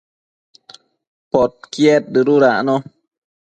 Podquied dëdudacno